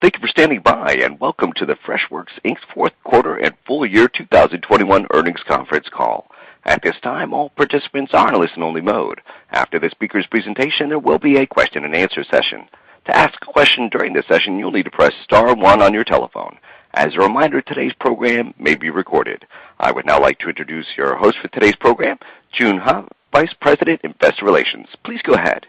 Thank you for standing by, and welcome to the Freshworks Inc.'s fourth quarter and full-year 2021 earnings conference call. At this time, all participants are in listen only mode. After the speaker's presentation, there will be a question and answer session. To ask a question during this session, you'll need to press star one on your telephone. As a reminder, today's program may be recorded. I would now like to introduce your host for today's program, Joon Huh, Vice President, Investor Relations. Please go ahead.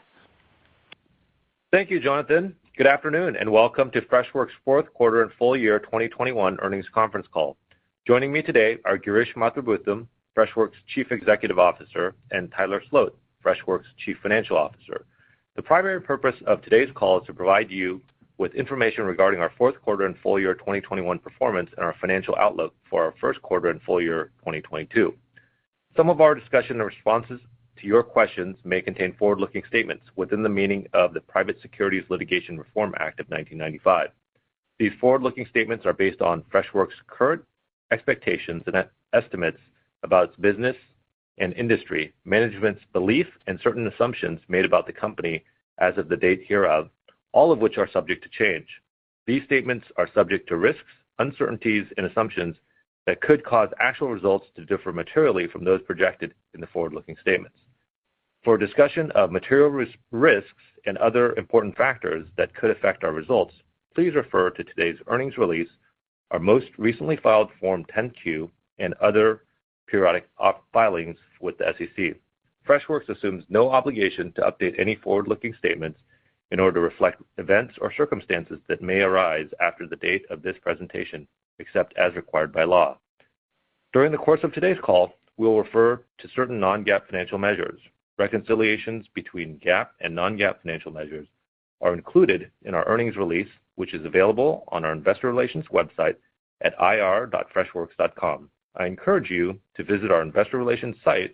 Thank you, Jonathan. Good afternoon, and welcome to Freshworks' fourth quarter and full-year 2021 earnings conference call. Joining me today are Girish Mathrubootham, Freshworks' Chief Executive Officer, and Tyler Sloat, Freshworks' Chief Financial Officer. The primary purpose of today's call is to provide you with information regarding our fourth quarter and full-year 2021 performance and our financial outlook for our first quarter and full-year 2022. Some of our discussion and responses to your questions may contain forward-looking statements within the meaning of the Private Securities Litigation Reform Act of 1995. These forward-looking statements are based on Freshworks' current expectations and estimates about business and industry, management's belief, and certain assumptions made about the company as of the date hereof, all of which are subject to change. These statements are subject to risks, uncertainties, and assumptions that could cause actual results to differ materially from those projected in the forward-looking statements. For a discussion of material risks and other important factors that could affect our results, please refer to today's earnings release, our most recently filed Form 10-Q, and other periodic filings with the SEC. Freshworks assumes no obligation to update any forward-looking statements in order to reflect events or circumstances that may arise after the date of this presentation, except as required by law. During the course of today's call, we will refer to certain non-GAAP financial measures. Reconciliations between GAAP and non-GAAP financial measures are included in our earnings release, which is available on our investor relations website at ir.freshworks.com. I encourage you to visit our investor relations site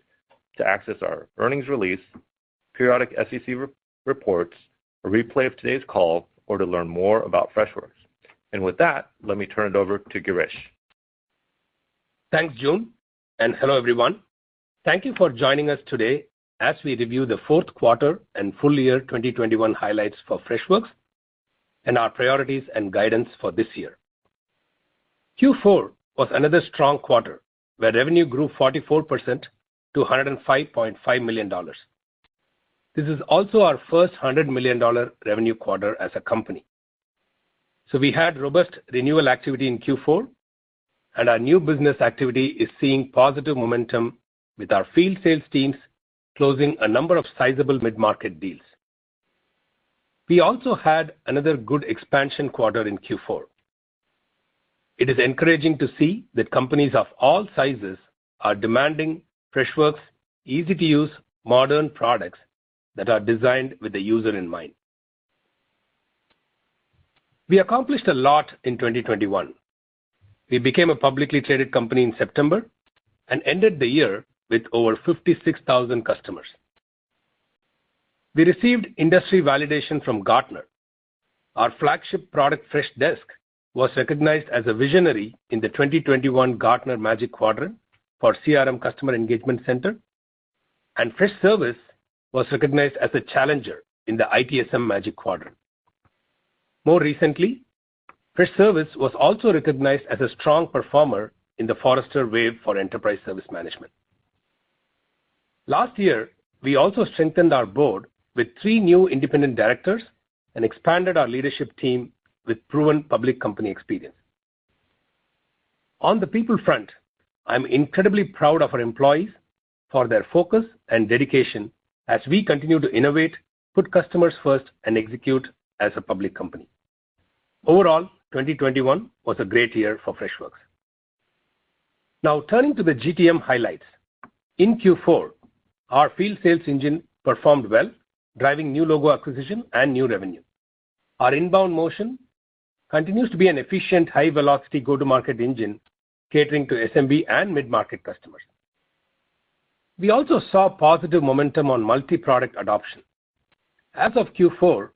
to access our earnings release, periodic SEC reports, a replay of today's call, or to learn more about Freshworks. With that, let me turn it over to Girish. Thanks, Joon, and hello, everyone. Thank you for joining us today as we review the fourth quarter and full-year 2021 highlights for Freshworks and our priorities and guidance for this year. Q4 was another strong quarter where revenue grew 44% to $105.5 million. This is also our first $100 million revenue quarter as a company. We had robust renewal activity in Q4, and our new business activity is seeing positive momentum, with our field sales teams closing a number of sizable mid-market deals. We also had another good expansion quarter in Q4. It is encouraging to see that companies of all sizes are demanding Freshworks' easy-to-use modern products that are designed with the user in mind. We accomplished a lot in 2021. We became a publicly traded company in September and ended the year with over 56,000 customers. We received industry validation from Gartner. Our flagship product, Freshdesk, was recognized as a visionary in the 2021 Gartner Magic Quadrant for CRM Customer Engagement Center, and Freshservice was recognized as a challenger in the ITSM Magic Quadrant. More recently, Freshservice was also recognized as a strong performer in the Forrester Wave for Enterprise Service Management. Last year, we also strengthened our board with three new independent directors and expanded our leadership team with proven public company experience. On the people front, I'm incredibly proud of our employees for their focus and dedication as we continue to innovate, put customers first, and execute as a public company. Overall, 2021 was a great year for Freshworks. Now, turning to the GTM highlights. In Q4, our field sales engine performed well, driving new logo acquisition and new revenue. Our inbound motion continues to be an efficient, high-velocity go-to-market engine catering to SMB and mid-market customers. We also saw positive momentum on multi-product adoption. As of Q4,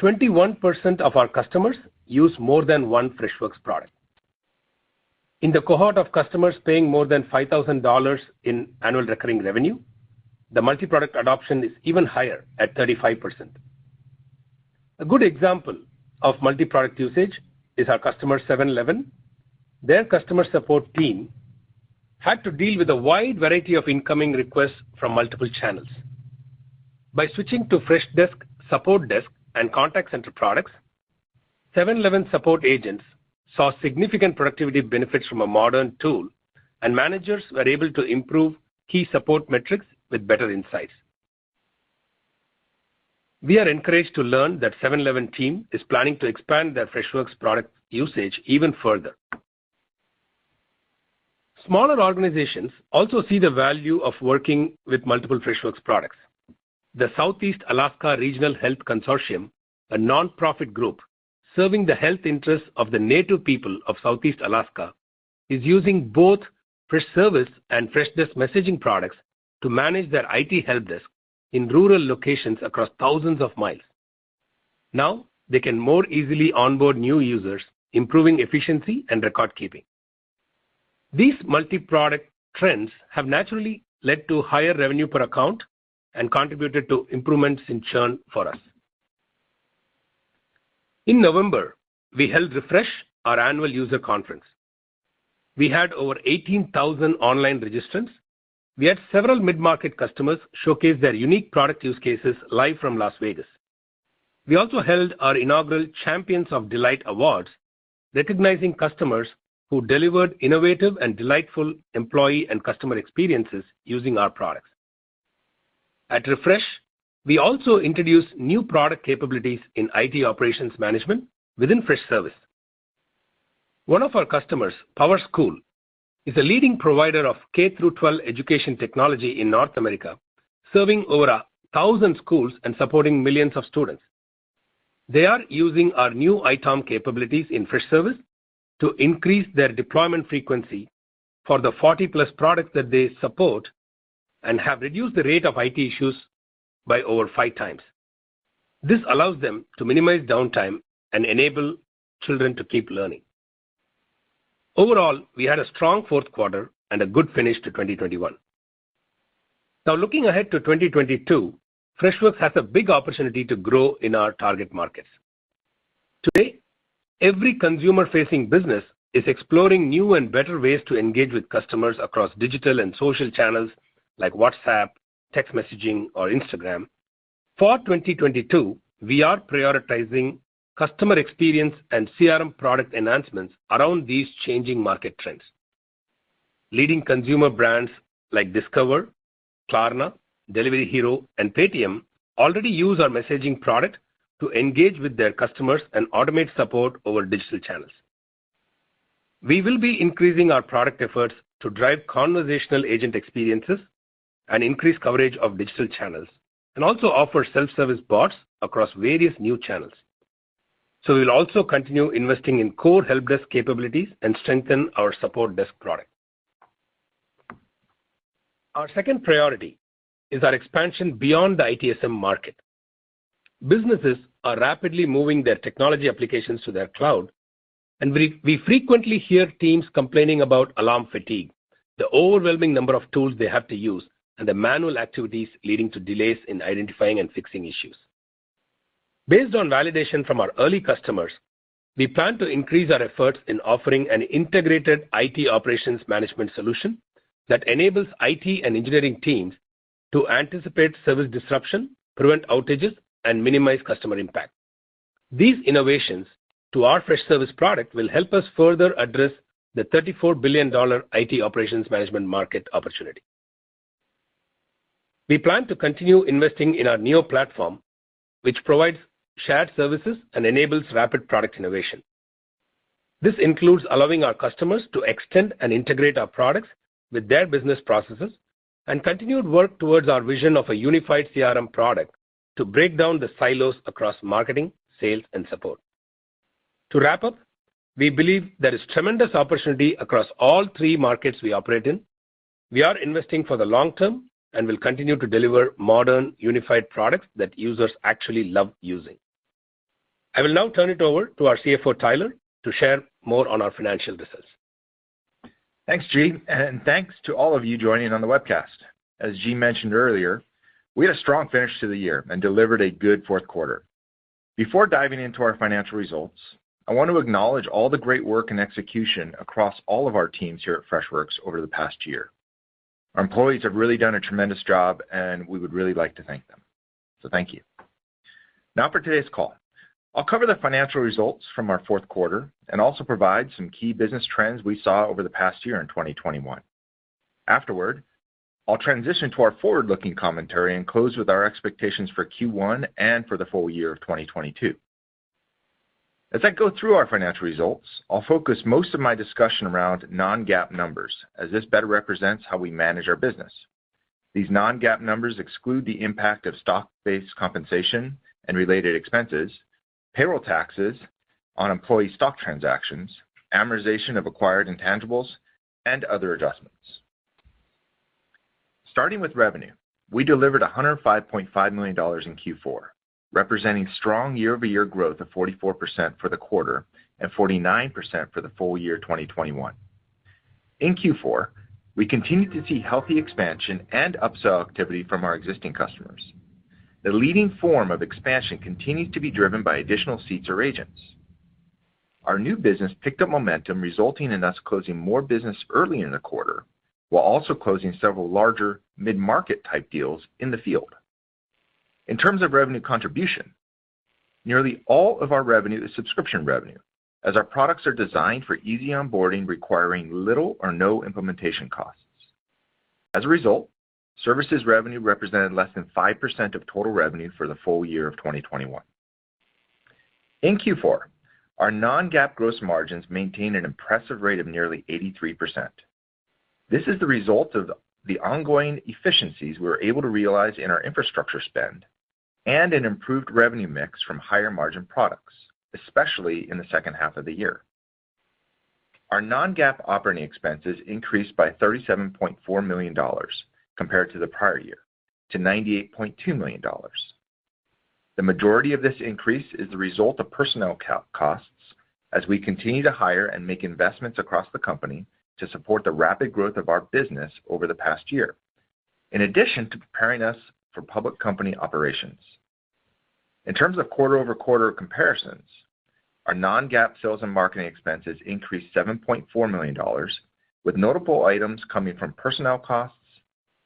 21% of our customers use more than one Freshworks product. In the cohort of customers paying more than $5,000 in annual recurring revenue, the multi-product adoption is even higher at 35%. A good example of multi-product usage is our customer 7-Eleven. Their customer support team had to deal with a wide variety of incoming requests from multiple channels. By switching to Freshdesk Support Desk and Freshdesk Contact Center products, 7-Eleven support agents saw significant productivity benefits from a modern tool, and managers were able to improve key support metrics with better insights. We are encouraged to learn that 7-Eleven team is planning to expand their Freshworks product usage even further. Smaller organizations also see the value of working with multiple Freshworks products. The Southeast Alaska Regional Health Consortium, a nonprofit group serving the health interests of the native people of Southeast Alaska, is using both Freshservice and Freshdesk Messaging products to manage their IT help desk in rural locations across thousands of miles. Now they can more easily onboard new users, improving efficiency and record keeping. These multi-product trends have naturally led to higher revenue per account and contributed to improvements in churn for us. In November, we held Refresh, our annual user conference. We had over 18,000 online registrants. We had several mid-market customers showcase their unique product use cases live from Las Vegas. We also held our inaugural Champions of Delight awards, recognizing customers who delivered innovative and delightful employee and customer experiences using our products. At Refresh, we also introduced new product capabilities in IT operations management within Freshservice. One of our customers, PowerSchool, is a leading provider of K-12 education technology in North America, serving over 1,000 schools and supporting millions of students. They are using our new ITOM capabilities in Freshservice to increase their deployment frequency for the 40+ products that they support and have reduced the rate of IT issues by over 5 times. This allows them to minimize downtime and enable children to keep learning. Overall, we had a strong fourth quarter and a good finish to 2021. Now, looking ahead to 2022, Freshworks has a big opportunity to grow in our target markets. Today, every consumer-facing business is exploring new and better ways to engage with customers across digital and social channels like WhatsApp, text messaging or Instagram. For 2022, we are prioritizing customer experience and CRM product enhancements around these changing market trends. Leading consumer brands like Discover, Klarna, Delivery Hero and Paytm already use our messaging product to engage with their customers and automate support over digital channels. We will be increasing our product efforts to drive conversational agent experiences and increase coverage of digital channels, and also offer self-service bots across various new channels. We'll also continue investing in core help desk capabilities and strengthen our support desk product. Our second priority is our expansion beyond the ITSM market. Businesses are rapidly moving their technology applications to the cloud, and we frequently hear teams complaining about alarm fatigue, the overwhelming number of tools they have to use, and the manual activities leading to delays in identifying and fixing issues. Based on validation from our early customers, we plan to increase our efforts in offering an integrated IT operations management solution that enables IT and engineering teams to anticipate service disruption, prevent outages, and minimize customer impact. These innovations to our Freshservice product will help us further address the $34 billion IT operations management market opportunity. We plan to continue investing in our Neo platform, which provides shared services and enables rapid product innovation. This includes allowing our customers to extend and integrate our products with their business processes and continued work towards our vision of a unified CRM product to break down the silos across marketing, sales, and support. To wrap up, we believe there is tremendous opportunity across all three markets we operate in. We are investing for the long term and will continue to deliver modern, unified products that users actually love using. I will now turn it over to our CFO, Tyler, to share more on our financial business. Thanks, Joon, and thanks to all of you joining on the webcast. As Joon mentioned earlier, we had a strong finish to the year and delivered a good fourth quarter. Before diving into our financial results, I want to acknowledge all the great work and execution across all of our teams here at Freshworks over the past year. Our employees have really done a tremendous job, and we would really like to thank them. So thank you. Now, for today's call, I'll cover the financial results from our fourth quarter and also provide some key business trends we saw over the past year in 2021. Afterward, I'll transition to our forward-looking commentary and close with our expectations for Q1 and for the full-year of 2022. As I go through our financial results, I'll focus most of my discussion around non-GAAP numbers as this better represents how we manage our business. These non-GAAP numbers exclude the impact of stock-based compensation and related expenses, payroll taxes on employee stock transactions, amortization of acquired intangibles, and other adjustments. Starting with revenue, we delivered $105.5 million in Q4, representing strong year-over-year growth of 44% for the quarter and 49% for the full-year 2021. In Q4, we continued to see healthy expansion and upsell activity from our existing customers. The leading form of expansion continued to be driven by additional seats or agents. Our new business picked up momentum, resulting in us closing more business early in the quarter, while also closing several larger mid-market type deals in the field. In terms of revenue contribution, nearly all of our revenue is subscription revenue as our products are designed for easy onboarding, requiring little or no implementation costs. As a result, services revenue represented less than 5% of total revenue for the full-year of 2021. In Q4, our non-GAAP gross margins maintained an impressive rate of nearly 83%. This is the result of the ongoing efficiencies we were able to realize in our infrastructure spend and an improved revenue mix from higher margin products, especially in the second half of the year. Our non-GAAP operating expenses increased by $37.4 million compared to the prior year to $98.2 million. The majority of this increase is the result of personnel costs as we continue to hire and make investments across the company to support the rapid growth of our business over the past year, in addition to preparing us for public company operations. In terms of quarter-over-quarter comparisons, our non-GAAP sales and marketing expenses increased $7.4 million with notable items coming from personnel costs,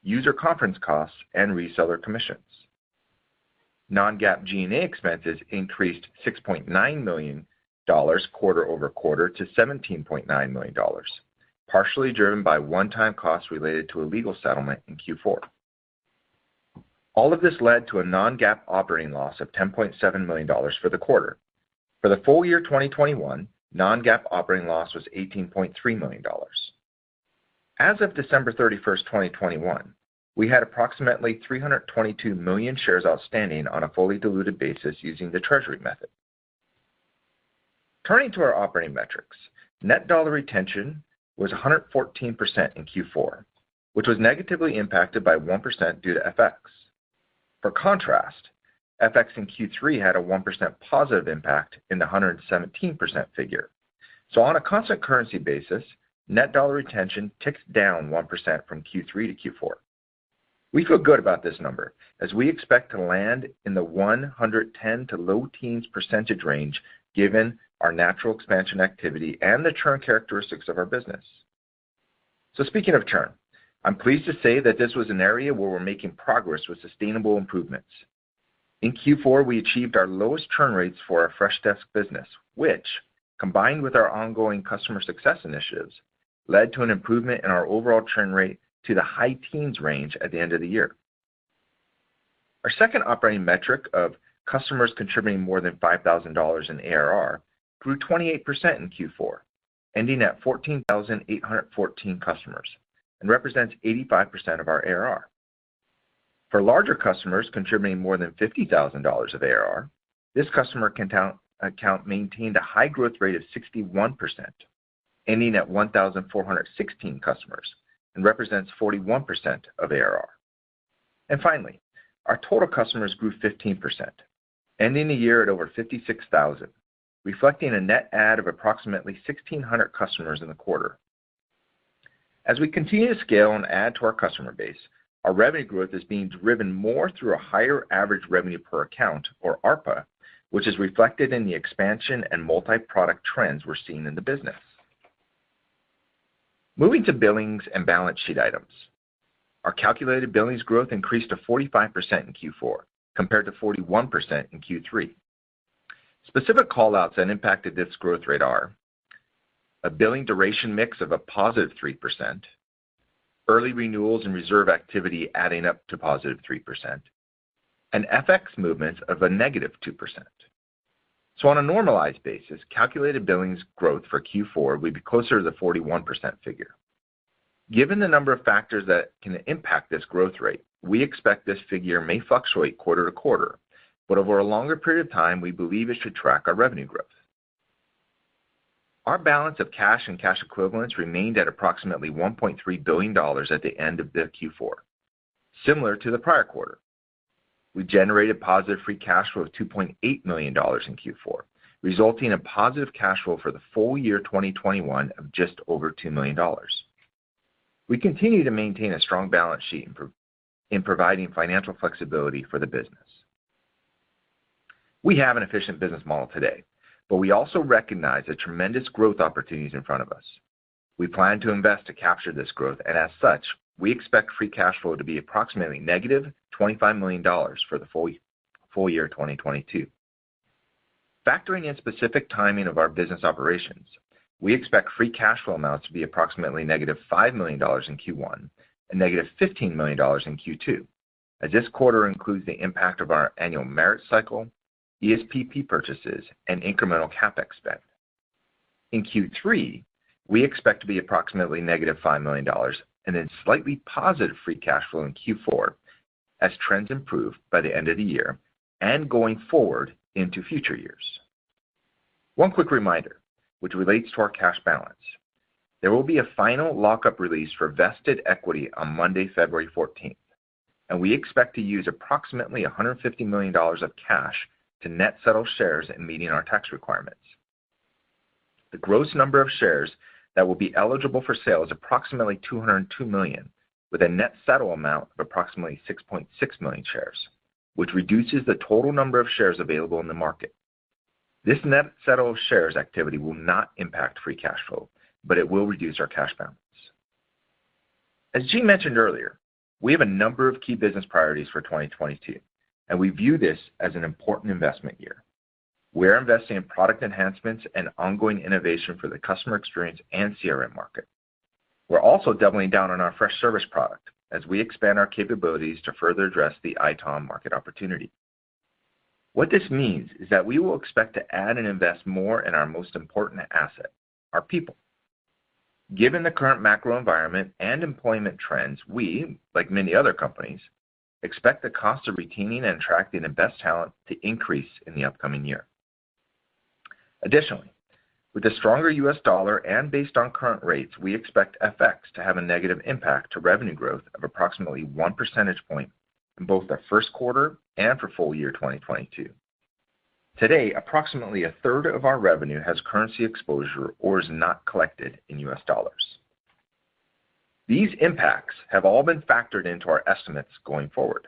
user conference costs, and reseller commissions. Non-GAAP G&A expenses increased $6.9 million quarter over quarter to $17.9 million, partially driven by one-time costs related to a legal settlement in Q4. All of this led to a non-GAAP operating loss of $10.7 million for the quarter. For the full-year 2021, non-GAAP operating loss was $18.3 million. As of December 31st, 2021, we had approximately 322 million shares outstanding on a fully diluted basis using the treasury method. Turning to our operating metrics, net dollar retention was 114% in Q4, which was negatively impacted by 1% due to FX. For contrast, FX in Q3 had a 1% positive impact in the 117% figure. On a constant currency basis, net dollar retention ticks down 1% from Q3 to Q4. We feel good about this number as we expect to land in the 110 to low teens % range given our natural expansion activity and the churn characteristics of our business. Speaking of churn, I'm pleased to say that this was an area where we're making progress with sustainable improvements. In Q4, we achieved our lowest churn rates for our Freshdesk business, which, combined with our ongoing customer success initiatives, led to an improvement in our overall churn rate to the high teens range at the end of the year. Our second operating metric of customers contributing more than $5,000 in ARR grew 28% in Q4, ending at 14,814 customers and represents 85% of our ARR. For larger customers contributing more than $50,000 of ARR, this customer count maintained a high growth rate of 61%, ending at 1,416 customers and represents 41% of ARR. Finally, our total customers grew 15%, ending the year at over 56,000, reflecting a net add of approximately 1,600 customers in the quarter. As we continue to scale and add to our customer base, our revenue growth is being driven more through a higher average revenue per account, or ARPA, which is reflected in the expansion and multi-product trends we're seeing in the business. Moving to billings and balance sheet items. Our calculated billings growth increased to 45% in Q4 compared to 41% in Q3. Specific call-outs that impacted this growth rate are a billing duration mix of a positive 3%, early renewals and reserve activity adding up to positive 3%, and FX movements of a negative 2%. On a normalized basis, calculated billings growth for Q4 would be closer to the 41% figure. Given the number of factors that can impact this growth rate, we expect this figure may fluctuate quarter to quarter, but over a longer period of time, we believe it should track our revenue growth. Our balance of cash and cash equivalents remained at approximately $1.3 billion at the end of the Q4. Similar to the prior quarter, we generated positive free cash flow of $2.8 million in Q4, resulting in positive cash flow for the full-year 2021 of just over $2 million. We continue to maintain a strong balance sheet in providing financial flexibility for the business. We have an efficient business model today, but we also recognize the tremendous growth opportunities in front of us. We plan to invest to capture this growth, and as such, we expect free cash flow to be approximately negative $25 million for the full-year 2022. Factoring in specific timing of our business operations, we expect free cash flow amounts to be approximately negative $5 million in Q1 and negative $15 million in Q2, as this quarter includes the impact of our annual merit cycle, ESPP purchases, and incremental CapEx spend. In Q3, we expect to be approximately negative $5 million and then slightly positive free cash flow in Q4 as trends improve by the end of the year and going forward into future years. One quick reminder, which relates to our cash balance. There will be a final lockup release for vested equity on Monday, February 14, and we expect to use approximately $150 million of cash to net settle shares in meeting our tax requirements. The gross number of shares that will be eligible for sale is approximately 202 million with a net settle amount of approximately 6.6 million shares, which reduces the total number of shares available in the market. This net settle of shares activity will not impact free cash flow, but it will reduce our cash balance. As Girish mentioned earlier, we have a number of key business priorities for 2022, and we view this as an important investment year. We're investing in product enhancements and ongoing innovation for the customer experience and CRM market. We're also doubling down on our Freshservice product as we expand our capabilities to further address the ITOM market opportunity. What this means is that we will expect to add and invest more in our most important asset, our people. Given the current macro environment and employment trends, we, like many other companies, expect the cost of retaining and attracting the best talent to increase in the upcoming year. Additionally, with the stronger U.S. dollar and based on current rates, we expect FX to have a negative impact to revenue growth of approximately 1 percentage point in both the first quarter and for full-year 2022. Today, approximately 1/3 of our revenue has currency exposure or is not collected in U.S. dollars. These impacts have all been factored into our estimates going forward.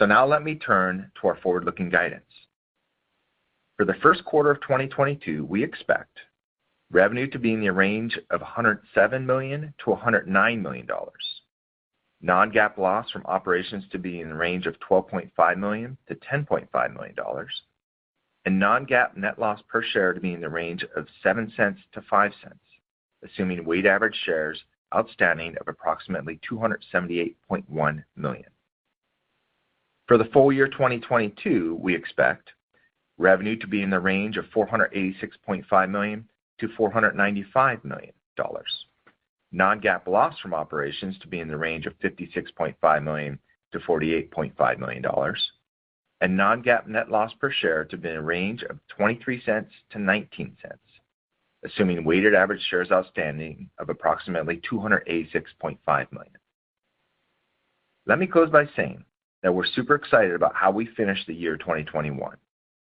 Now let me turn to our forward-looking guidance. For the first quarter of 2022, we expect revenue to be in the range of $107 million-$109 million. Non-GAAP loss from operations to be in the range of $12.5 million-$10.5 million. Non-GAAP net loss per share to be in the range of $0.07-$0.05, assuming weighted average shares outstanding of approximately 278.1 million. For the full-year 2022, we expect revenue to be in the range of $486.5 million-$495 million. Non-GAAP loss from operations to be in the range of $56.5 million-$48.5 million. non-GAAP net loss per share to be in a range of $0.23-$0.19, assuming weighted average shares outstanding of approximately 286.5 million. Let me close by saying that we're super excited about how we finished the year 2021,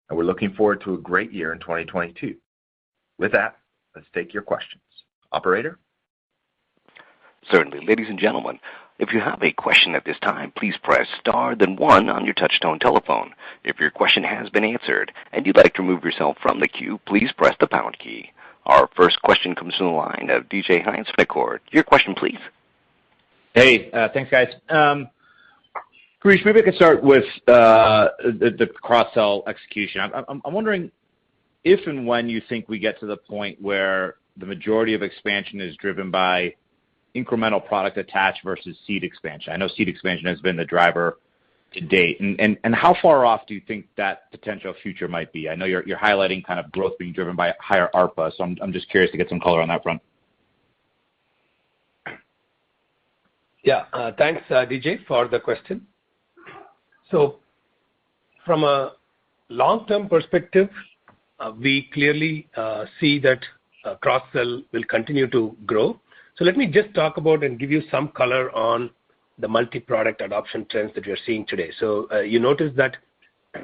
and we're looking forward to a great year in 2022. With that, let's take your questions. Operator? Certainly. Ladies and gentlemen, if you have a question at this time, please press star then one on your touchtone telephone. If your question has been answered and you'd like to remove yourself from the queue, please press the pound key. Our first question comes from the line of DJ Hynes of Canaccord Genuity. Your question please. Hey, thanks, guys. Girish, maybe I could start with the cross-sell execution. I'm wondering if and when you think we get to the point where the majority of expansion is driven by incremental product attached versus seed expansion. I know seed expansion has been the driver to date. How far off do you think that potential future might be? I know you're highlighting kind of growth being driven by higher ARPA, so I'm just curious to get some color on that front. Yeah. Thanks, DJ, for the question. From a long-term perspective, we clearly see that cross-sell will continue to grow. Let me just talk about and give you some color on the multi-product adoption trends that you're seeing today. You noticed that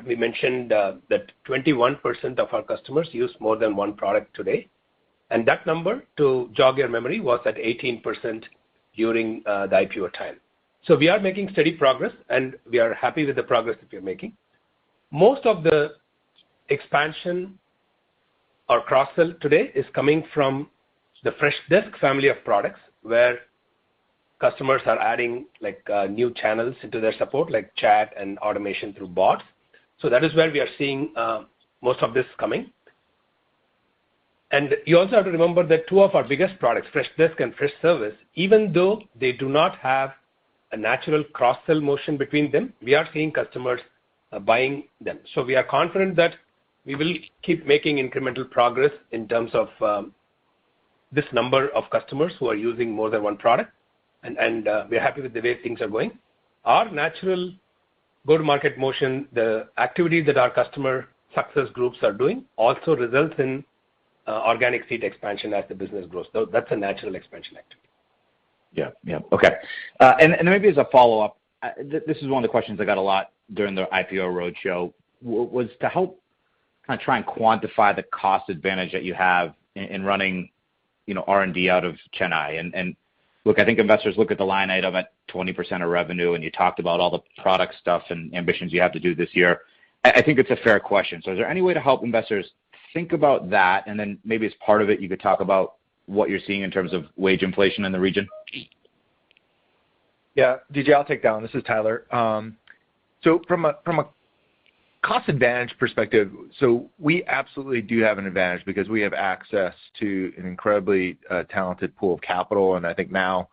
we mentioned that 21% of our customers use more than one product today. That number, to jog your memory, was at 18% during the IPO time. We are making steady progress, and we are happy with the progress that we are making. Most of the expansion or cross-sell today is coming from the Freshdesk family of products, where customers are adding like new channels into their support, like chat and automation through bots. That is where we are seeing most of this coming. You also have to remember that two of our biggest products, Freshdesk and Freshservice, even though they do not have a natural cross-sell motion between them, we are seeing customers buying them. We are confident that we will keep making incremental progress in terms of this number of customers who are using more than one product, and we're happy with the way things are going. Our natural go-to-market motion, the activity that our customer success groups are doing, also results in organic feed expansion as the business grows. That's a natural expansion activity. Yeah. Okay. Then maybe as a follow-up, this is one of the questions I got a lot during the IPO roadshow, was to help kinda try and quantify the cost advantage that you have in running, you know, R&D out of Chennai. Look, I think investors look at the line item at 20% of revenue, and you talked about all the product stuff and ambitions you have to do this year. I think it's a fair question. Is there any way to help investors think about that, and then maybe as part of it, you could talk about what you're seeing in terms of wage inflation in the region? Yeah. DJ, I'll take that one. This is Tyler. From a cost advantage perspective, we absolutely do have an advantage because we have access to an incredibly talented pool of talent. I think now,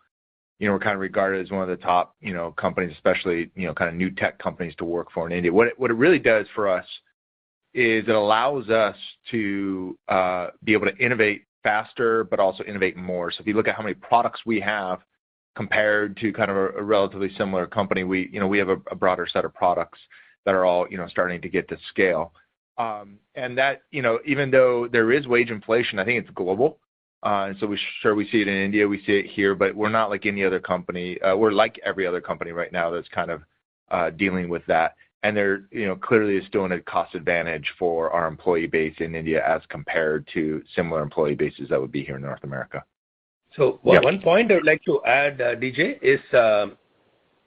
you know, we're kind of regarded as one of the top, you know, companies especially, you know, kinda new tech companies to work for in India. What it really does for us is it allows us to be able to innovate faster but also innovate more. If you look at how many products we have compared to kind of a relatively similar company, we have a broader set of products that are all, you know, starting to get to scale. That, you know, even though there is wage inflation, I think it's global. we see it in India, we see it here, but we're not like any other company. We're like every other company right now that's kind of dealing with that. there, you know, clearly it's still in a cost advantage for our employee base in India as compared to similar employee bases that would be here in North America. One point I'd like to add, DJ, is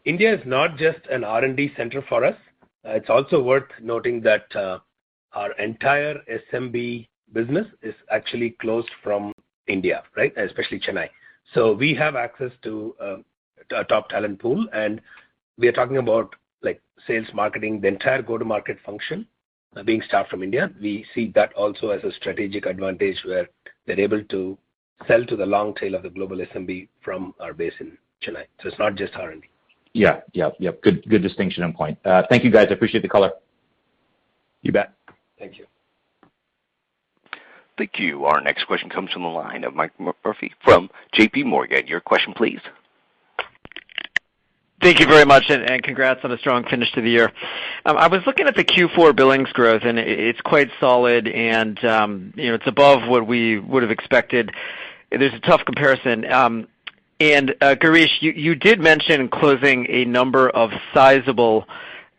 India is not just an R&D center for us. It's also worth noting that our entire SMB business is actually sourced from India, right? Especially Chennai. We have access to a top talent pool, and we are talking about, like sales marketing, the entire go-to-market function being staffed from India. We see that also as a strategic advantage where they're able to sell to the long tail of the global SMB from our base in Chennai. It's not just R&D. Yeah. Yep. Good distinction and point. Thank you, guys. I appreciate the color. You bet. Thank you. Thank you. Our next question comes from the line of Mark Murphy from J.P. Morgan. Your question please. Thank you very much and congrats on a strong finish to the year. I was looking at the Q4 billings growth, and it's quite solid and, you know, it's above what we would have expected. It is a tough comparison. Girish, you did mention closing a number of sizable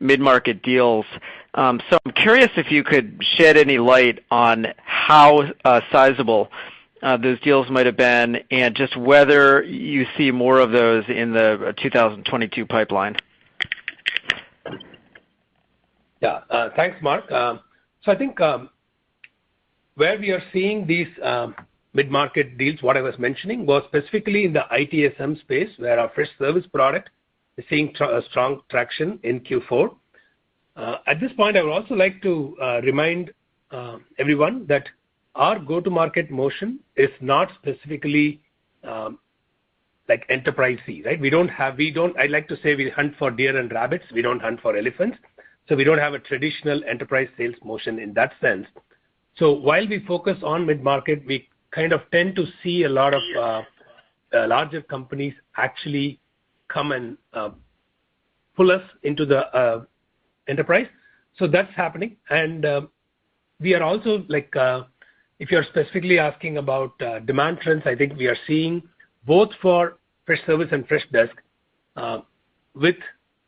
mid-market deals. So I'm curious if you could shed any light on how sizable those deals might have been and just whether you see more of those in the 2022 pipeline. Yeah. Thanks, Mark. I think where we are seeing these mid-market deals, what I was mentioning, was specifically in the ITSM space where our Freshservice product is seeing strong traction in Q4. At this point, I would also like to remind everyone that our go-to-market motion is not specifically like enterprise-heavy, right? We don't. I like to say we hunt for deer and rabbits, we don't hunt for elephants. We don't have a traditional enterprise sales motion in that sense. While we focus on mid-market, we kind of tend to see a lot of larger companies actually come and pull us into the enterprise. That's happening. We are also like, if you're specifically asking about demand trends, I think we are seeing both for Freshservice and Freshdesk, with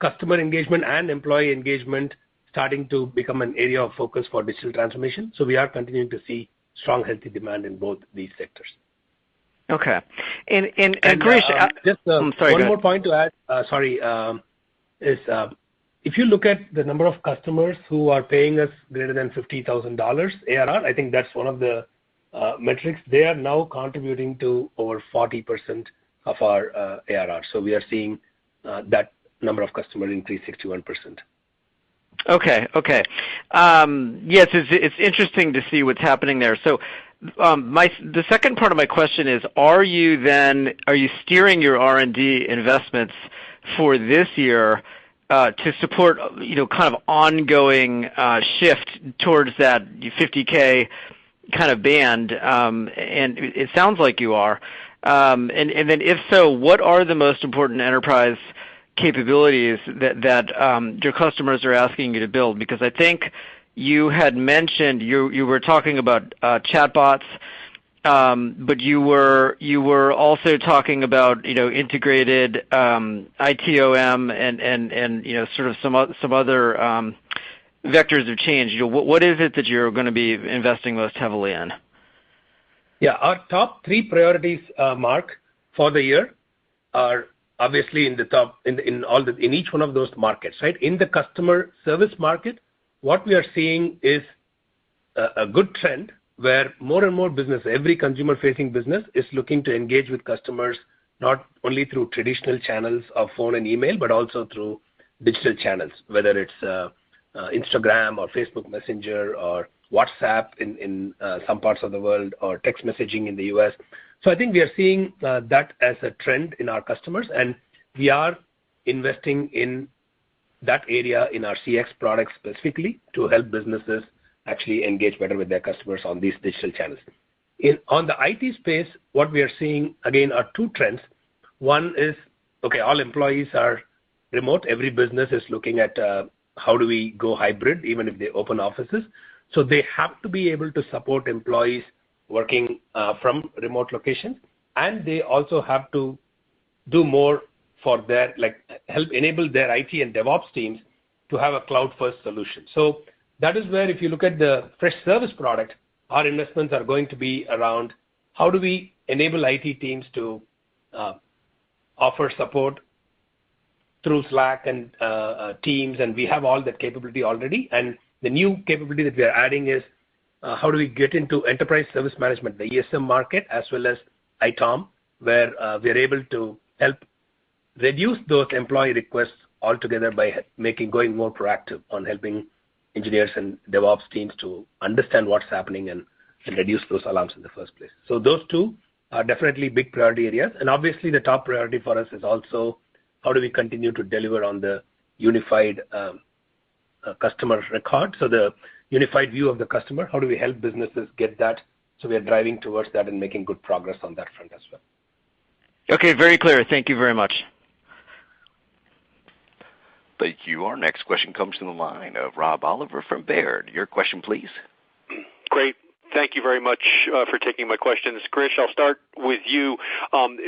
customer engagement and employee engagement starting to become an area of focus for digital transformation. We are continuing to see strong, healthy demand in both these sectors. Okay. Girish And, uh, just, um- I'm sorry, go ahead. One more point to add. If you look at the number of customers who are paying us greater than $50,000 ARR, I think that's one of the metrics they are now contributing to over 40% of our ARR. We are seeing that number of customers increase 61%. Yes, it's interesting to see what's happening there. The second part of my question is, are you steering your R&D investments for this year to support, you know, kind of ongoing shift towards that 50K kind of band? It sounds like you are. If so, what are the most important enterprise capabilities that your customers are asking you to build? Because I think you had mentioned you were talking about chatbots, but you were also talking about, you know, integrated ITOM and, you know, sort of some other vectors of change. You know, what is it that you're gonna be investing most heavily in? Yeah. Our top three priorities, Mark, for the year are obviously in each one of those markets, right? In the customer service market, what we are seeing is a good trend where more and more business, every consumer-facing business, is looking to engage with customers, not only through traditional channels of phone and email, but also through digital channels, whether it's Instagram or Facebook Messenger or WhatsApp in some parts of the world or text messaging in the U.S. I think we are seeing that as a trend in our customers, and we are investing in that area in our CX product specifically to help businesses actually engage better with their customers on these digital channels. On the IT space, what we are seeing, again, are two trends. One is, okay, all employees are remote. Every business is looking at how do we go hybrid, even if they open offices. They have to be able to support employees working from remote locations, and they also have to do more for their, like, help enable their IT and DevOps teams to have a cloud-first solution. That is where if you look at the Freshservice product, our investments are going to be around how do we enable IT teams to offer support through Slack and Teams, and we have all that capability already. The new capability that we are adding is how do we get into Enterprise Service Management, the ESM market, as well as ITOM, where we are able to help reduce those employee requests altogether by going more proactive on helping engineers and DevOps teams to understand what's happening and reduce those alarms in the first place. Those two are definitely big priority areas. Obviously the top priority for us is also how do we continue to deliver on the unified customer record. The unified view of the customer, how do we help businesses get that? We are driving towards that and making good progress on that front as well. Okay. Very clear. Thank you very much. Thank you. Our next question comes from the line of Rob Oliver from Baird. Your question please. Great. Thank you very much for taking my questions. Girish, I'll start with you.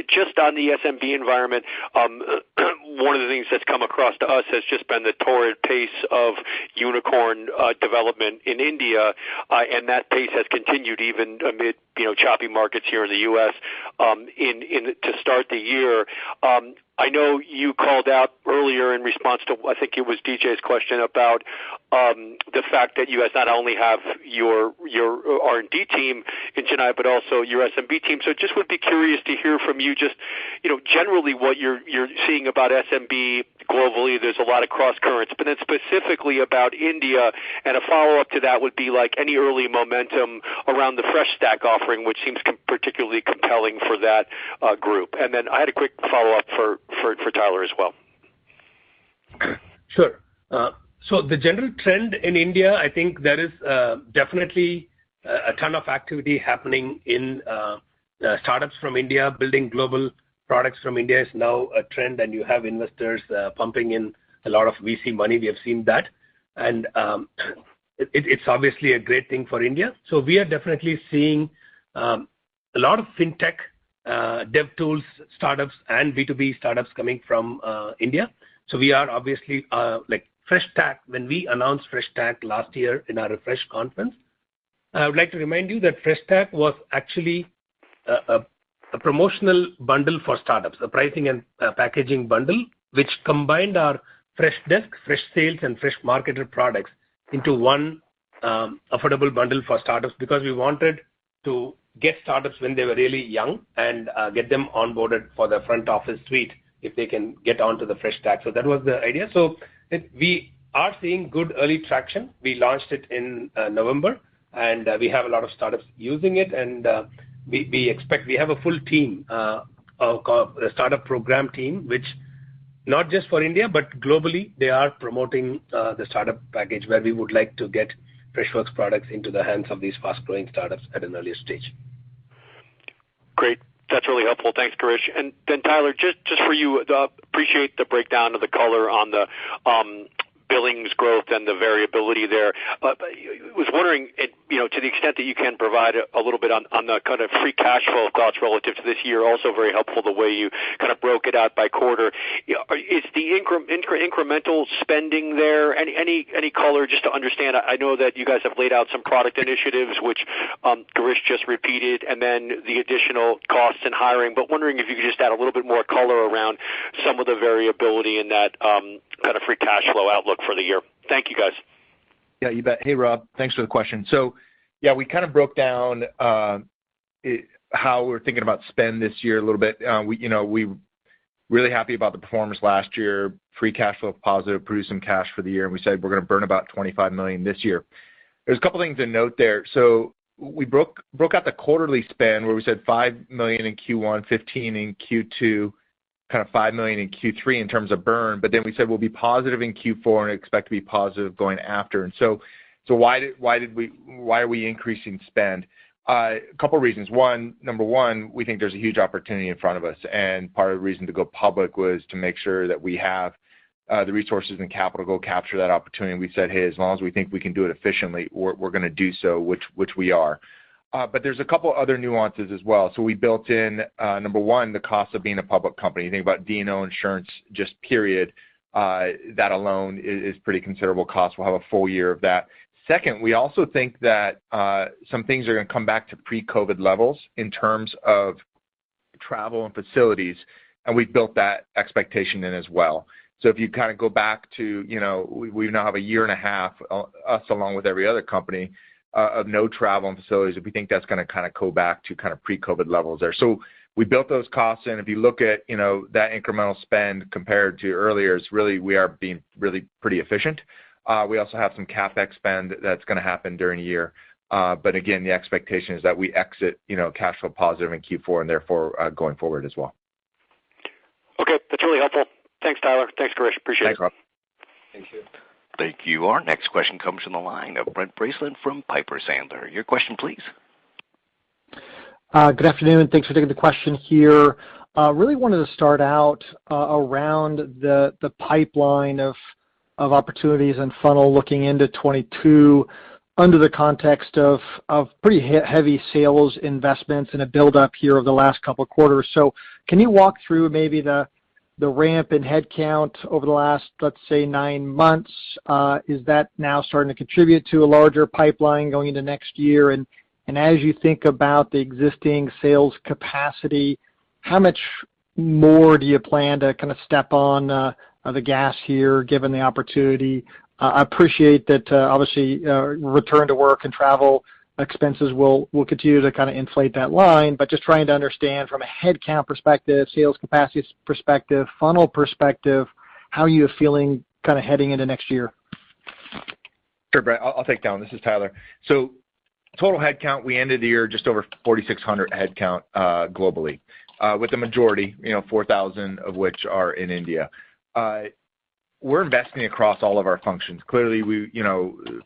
Just on the SMB environment, one of the things that's come across to us has just been the torrid pace of unicorn development in India, and that pace has continued even amid, you know, choppy markets here in the U.S. to start the year. I know you called out earlier in response to, I think it was DJ's question about the fact that you guys not only have your R&D team in Chennai but also your SMB team. So just would be curious to hear from you just, you know, generally what you're seeing about SMB globally. There's a lot of crosscurrents. Specifically about India, and a follow-up to that would be like any early momentum around the Freshstack offering, which seems particularly compelling for that group. I had a quick follow-up for Tyler as well. Sure. The general trend in India, I think there is definitely a ton of activity happening in startups from India. Building global products from India is now a trend, and you have investors pumping in a lot of VC money. We have seen that, and it's obviously a great thing for India. We are definitely seeing a lot of fintech dev tools startups and B2B startups coming from India. We are obviously like Freshstack, when we announced Freshstack last year in our Refresh conference. I would like to remind you that Freshstack was actually a promotional bundle for startups, a pricing and packaging bundle which combined our Freshdesk, Freshsales, and Freshmarketer products into one affordable bundle for startups because we wanted to get startups when they were really young and get them onboarded for the front office suite if they can get onto the Freshstack. That was the idea. We are seeing good early traction. We launched it in November, and we have a lot of startups using it. We have a full team, a startup program team, which not just for India, but globally, they are promoting the startup package, where we would like to get Freshworks products into the hands of these fast-growing startups at an early stage. Great. That's really helpful. Thanks, Girish. Then Tyler, just for you, appreciate the breakdown of the color on the billings growth and the variability there. But was wondering if, you know, to the extent that you can provide a little bit on the kind of free cash flow of costs relative to this year, also very helpful the way you kind of broke it out by quarter. You know, is the incremental spending there any color just to understand? I know that you guys have laid out some product initiatives which Girish just repeated, and then the additional costs in hiring. But wondering if you could just add a little bit more color around some of the variability in that kind of free cash flow outlook for the year. Thank you, guys. Yeah, you bet. Hey, Rob. Thanks for the question. Yeah, we kind of broke down how we're thinking about spend this year a little bit. You know, we're really happy about the performance last year. Free cash flow positive, produced some cash for the year, and we said we're gonna burn about $25 million this year. There's a couple things to note there. We broke out the quarterly spend where we said $5 million in Q1, $15 million in Q2, kind of $5 million in Q3 in terms of burn, but then we said we'll be positive in Q4 and expect to be positive going forward. Why are we increasing spend? A couple reasons. Number one, we think there's a huge opportunity in front of us, and part of the reason to go public was to make sure that we have the resources and capital to go capture that opportunity. We said, hey, as long as we think we can do it efficiently, we're gonna do so, which we are. But there's a couple other nuances as well. We built in number one, the cost of being a public company. You think about D&O insurance just. Period, that alone is pretty considerable cost. We'll have a full-year of that. Second, we also think that some things are gonna come back to pre-COVID levels in terms of travel and facilities, and we've built that expectation in as well. If you kinda go back to, you know, we now have a year and a half, us along with every other company, of no travel and facilities. We think that's gonna kinda go back to kind of pre-COVID levels there. We built those costs in. If you look at, you know, that incremental spend compared to earlier, it's really we are being really pretty efficient. We also have some CapEx spend that's gonna happen during the year. Again, the expectation is that we exit, you know, cash flow positive in Q4 and therefore going forward as well. Okay. That's really helpful. Thanks, Tyler. Thanks, Girish. I appreciate it. Thanks, Rob. Thank you. Thank you. Our next question comes from the line of Brent Bracelin from Piper Sandler. Your question please. Good afternoon. Thanks for taking the question here. Really wanted to start out around the pipeline of opportunities and funnel looking into 2022 under the context of pretty heavy sales investments and a buildup here over the last couple of quarters. Can you walk through maybe the ramp in headcount over the last, let's say, nine months? Is that now starting to contribute to a larger pipeline going into next year? As you think about the existing sales capacity, how much more do you plan to kinda step on the gas here given the opportunity? I appreciate that. Obviously, return to work and travel expenses will continue to kinda inflate that line, but just trying to understand from a headcount perspective, sales capacity perspective, funnel perspective, how you're feeling kinda heading into next year. Sure, Brent. I'll take that one. This is Tyler. Total headcount, we ended the year just over 4,600 headcount globally, with the majority, you know, 4,000 of which are in India. We're investing across all of our functions. Clearly,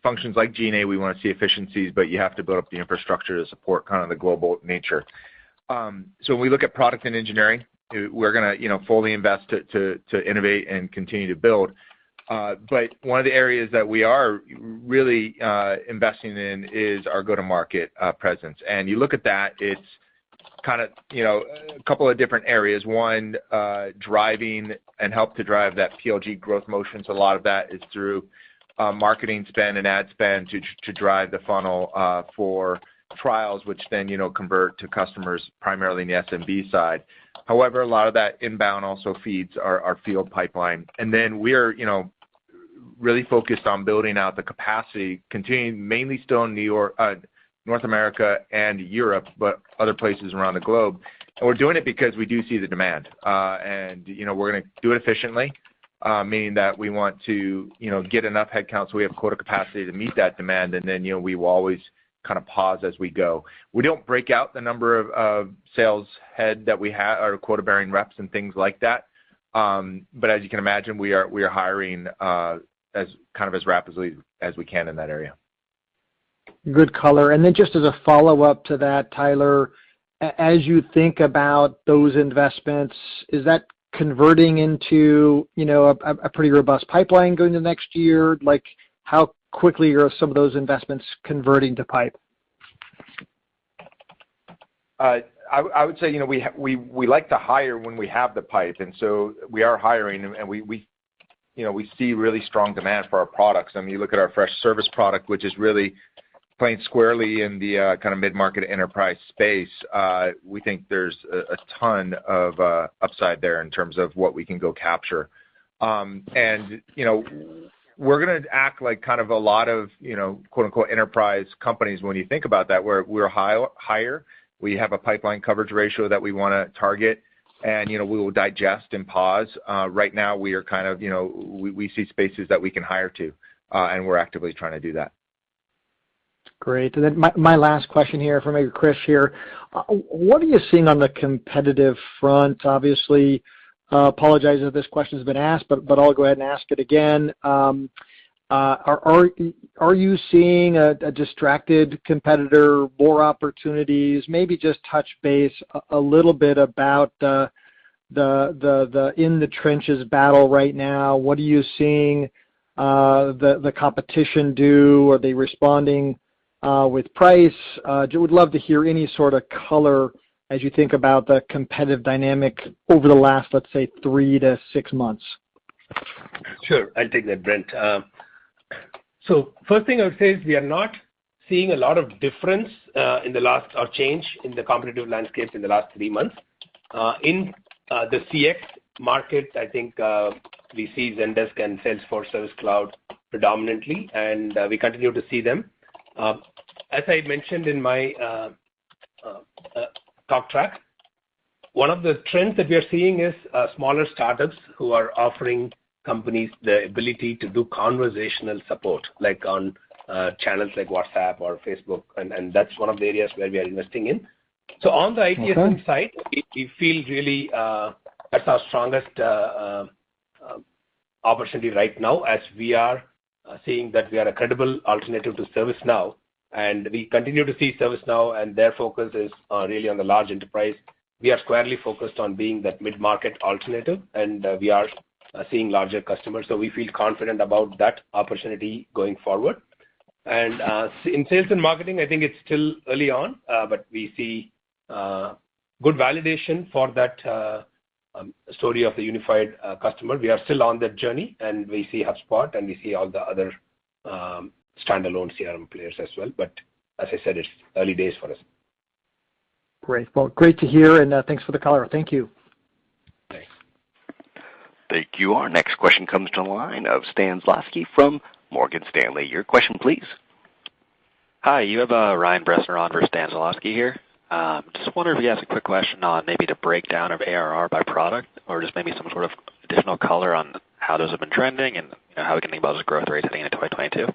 functions like G&A, we wanna see efficiencies, but you have to build up the infrastructure to support kind of the global nature. When we look at product and engineering, we're gonna, you know, fully invest to innovate and continue to build. One of the areas that we are really investing in is our go-to-market presence. You look at that, it's kinda, you know, a couple of different areas. One driving and help to drive that PLG growth motion, so a lot of that is through marketing spend and ad spend to drive the funnel for trials, which then you know convert to customers primarily in the SMB side. However, a lot of that inbound also feeds our field pipeline. We're you know really focused on building out the capacity contained mainly still in North America and Europe, but other places around the globe. We're doing it because we do see the demand. You know, we're gonna do it efficiently, meaning that we want to you know get enough headcount so we have quota capacity to meet that demand. You know, we will always kind of pause as we go. We don't break out the number of sales head that we have or quota-bearing reps and things like that. As you can imagine, we are hiring as kind of rapidly as we can in that area. Good color. Then just as a follow-up to that, Tyler, as you think about those investments, is that converting into, you know, a pretty robust pipeline going into next year? Like, how quickly are some of those investments converting to pipeline? I would say, you know, we like to hire when we have the pipeline, and so we are hiring and we see really strong demand for our products. I mean, you look at our Freshservice product, which is really playing squarely in the kind of mid-market enterprise space, we think there's a ton of upside there in terms of what we can go capture. You know, we're gonna act like kind of a lot of, you know, quote-unquote, "enterprise companies" when you think about that, where we're hire. We have a pipeline coverage ratio that we wanna target, and, you know, we will digest and pause. Right now we are kind of, you know, we see spaces that we can hire into, and we're actively trying to do that. Great. My last question here for maybe Girish here. What are you seeing on the competitive front? Obviously, apologize if this question has been asked, but I'll go ahead and ask it again. Are you seeing a distracted competitor, more opportunities? Maybe just touch base a little bit about the in the trenches battle right now. What are you seeing the competition do? Are they responding with price? Would love to hear any sort of color as you think about the competitive dynamic over the last, let's say, 3-6 months. Sure. I'll take that, Brent. So first thing I would say is we are not seeing a lot of difference or change in the competitive landscape in the last three months. In the CX markets, I think, we see Zendesk and Salesforce Service Cloud predominantly, and we continue to see them. As I mentioned in my talk track, one of the trends that we are seeing is smaller startups who are offering companies the ability to do conversational support, like on channels like WhatsApp or Facebook, and that's one of the areas where we are investing in. On the ITSM side, we feel really that's our strongest opportunity right now as we are seeing that we are a credible alternative to ServiceNow. We continue to see ServiceNow, and their focus is really on the large enterprise. We are squarely focused on being that mid-market alternative, and we are seeing larger customers, so we feel confident about that opportunity going forward. In sales and marketing, I think it's still early on, but we see good validation for that story of the unified customer. We are still on that journey, and we see HubSpot, and we see all the other standalone CRM players as well. As I said, it's early days for us. Great. Well, great to hear, and, thanks for the color. Thank you. Thanks. Thank you. Our next question comes to the line of Sanjit Singh from Morgan Stanley. Your question, please. Hi, Ryan Bressner for Sanjit Singh here. Just wondering if I can ask a quick question on maybe the breakdown of ARR by product or just maybe some sort of additional color on how those have been trending and how we can think about those growth rates heading into 2022.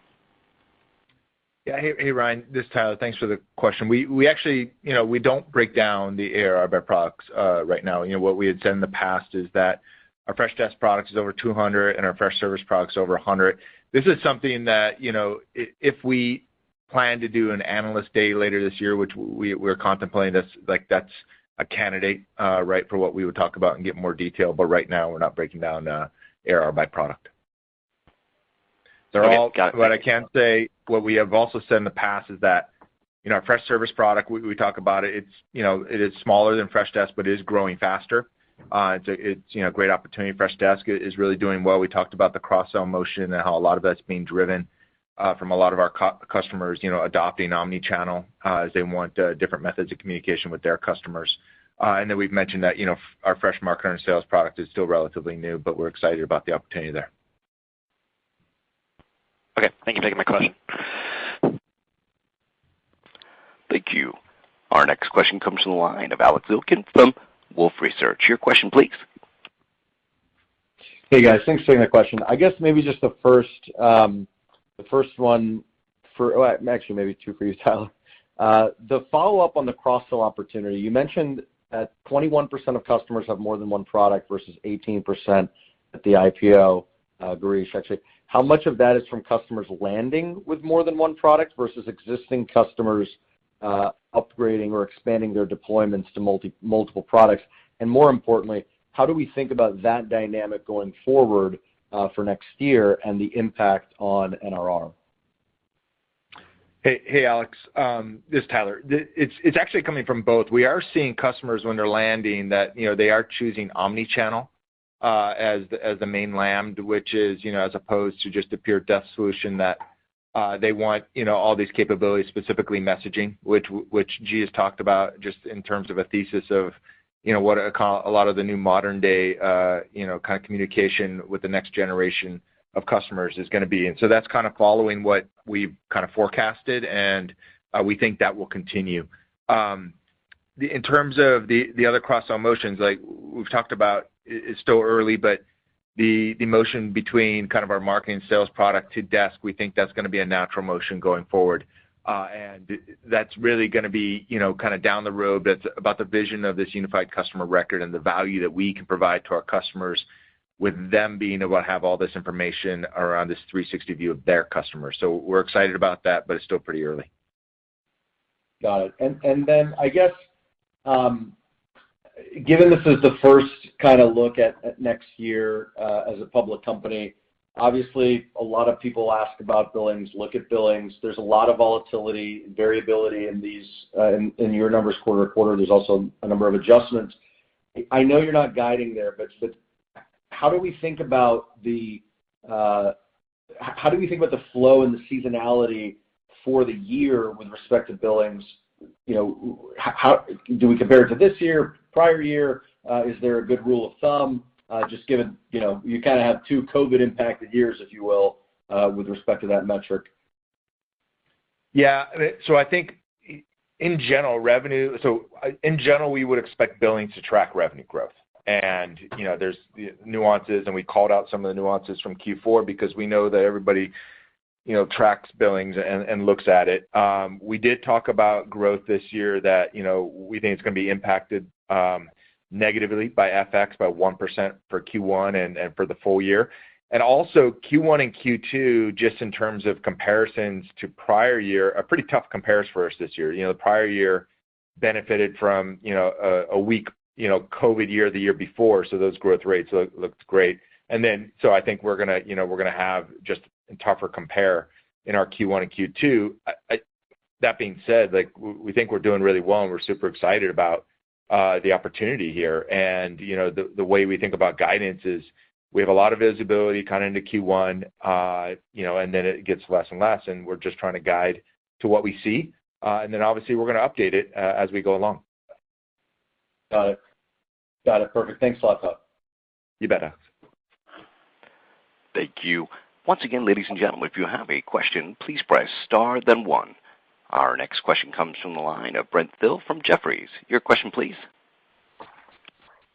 Hey, Ryan, this is Tyler. Thanks for the question. We actually, you know, we don't break down the ARR by products right now. You know, what we had said in the past is that our Freshdesk products is over $200 million, and our Freshservice product's over $100 million. This is something that, you know, if we plan to do an analyst day later this year, which we're contemplating, like, that's a candidate, right, for what we would talk about and get more detail. But right now, we're not breaking down ARR by product. Okay. Got it. What I can say, what we have also said in the past is that, you know, our Freshservice product, we talk about it's, you know, it is smaller than Freshdesk, but it is growing faster. It's a great opportunity. Freshdesk is really doing well. We talked about the cross-sell motion and how a lot of that's being driven from a lot of our customers, you know, adopting omni-channel as they want different methods of communication with their customers. We've mentioned that, you know, our Freshmarketer and Freshsales product is still relatively new, but we're excited about the opportunity there. Okay. Thank you for taking my question. Thank you. Our next question comes from the line of Alex Zukin from Wolfe Research. Your question, please. Hey, guys. Thanks for taking the question. I guess maybe just the first one. Well, actually maybe two for you, Tyler. The follow-up on the cross-sell opportunity, you mentioned that 21% of customers have more than one product versus 18% at the IPO, Girish, actually. How much of that is from customers landing with more than one product versus existing customers upgrading or expanding their deployments to multiple products? More importantly, how do we think about that dynamic going forward for next year and the impact on NRR? Hey, Alex, this is Tyler. It's actually coming from both. We are seeing customers when they're landing that, you know, they are choosing omni-channel as the main land, which is, you know, as opposed to just a pure desk solution that they want, you know, all these capabilities, specifically messaging, which G has talked about just in terms of a thesis of, you know, what a lot of the new modern day kind of communication with the next generation of customers is gonna be. That's kind of following what we've kind of forecasted, and we think that will continue. In terms of the other cross-sell motions, like we've talked about, it's still early, but the motion between kind of our marketing sales product to desk, we think that's gonna be a natural motion going forward. That's really gonna be, you know, kind of down the road. That's about the vision of this unified customer record and the value that we can provide to our customers with them being able to have all this information around this 360 view of their customers. We're excited about that, but it's still pretty early. Got it. I guess, given this is the first kind of look at next year as a public company, obviously a lot of people ask about billings, look at billings. There's a lot of volatility and variability in these in your numbers quarter to quarter. There's also a number of adjustments. I know you're not guiding there, but how do we think about the flow and the seasonality for the year with respect to billings? You know, how do we compare it to this year, prior year? Is there a good rule of thumb just given you know you kind of have two COVID impacted years, if you will, with respect to that metric? I think in general, we would expect billing to track revenue growth. You know, there's nuances, and we called out some of the nuances from Q4 because we know that everybody, you know, tracks billings and looks at it. We did talk about growth this year that, you know, we think it's going to be impacted negatively by FX by 1% for Q1 and for the full-year. Q1 and Q2, just in terms of comparisons to prior year, a pretty tough comparison for us this year. You know, the prior year benefited from, you know, a weak, you know, COVID year, the year before. Those growth rates looked great. I think we're gonna, you know, have just a tougher compare in our Q1 and Q2. That being said, like, we think we're doing really well, and we're super excited about the opportunity here. You know, the way we think about guidance is we have a lot of visibility kind of into Q1, you know, and then it gets less and less, and we're just trying to guide to what we see. Then obviously we're going to update it as we go along. Got it. Perfect. Thanks a lot, Tyler Sloat. You bet, Alex. Thank you. Once again, ladies and gentlemen, if you have a question, please press star then one. Our next question comes from the line of Brent Thill from Jefferies. Your question, please.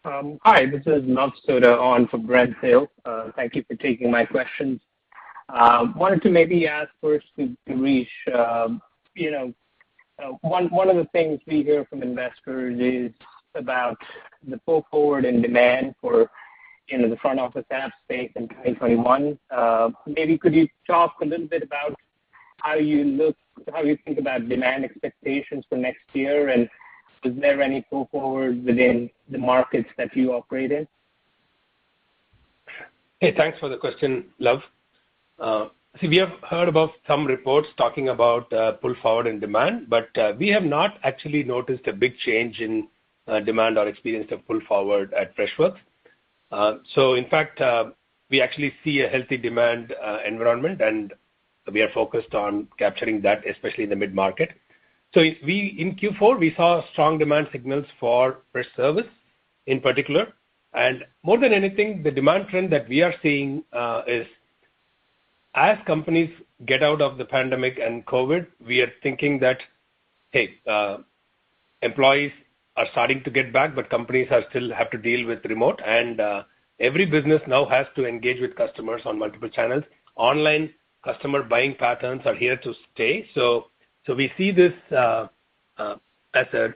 Hi, this is Luv Sodha on for Brent Thill. Thank you for taking my questions. Wanted to maybe ask first to Girish. You know, one of the things we hear from investors is about the pull forward and demand for, you know, the front office app space in 2021. Maybe could you talk a little bit about how you think about demand expectations for next year, and is there any pull forward within the markets that you operate in? Hey, thanks for the question, Luv. We have heard about some reports talking about pull forward and demand, but we have not actually noticed a big change in demand or experienced a pull forward at Freshworks. In fact, we actually see a healthy demand environment, and we are focused on capturing that, especially in the mid-market. In Q4, we saw strong demand signals for Freshservice in particular. More than anything, the demand trend that we are seeing is as companies get out of the pandemic and COVID, we are thinking that, hey, employees are starting to get back, but companies are still have to deal with remote. Every business now has to engage with customers on multiple channels. Online customer buying patterns are here to stay. We see this as an